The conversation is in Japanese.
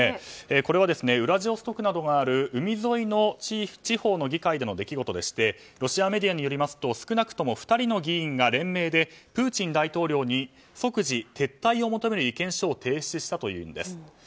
これはウラジオストクなどがある海沿いの地方の議会での出来事でしてロシアメディアによりますと少なくとも２人の議員が連名でプーチン大統領に即時撤退を求める意見書を提出したというんです。